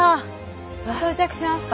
到着しました。